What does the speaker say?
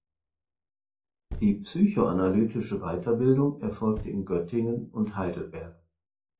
Die psychoanalytische Weiterbildung erfolgte in Göttingen und Heidelberg.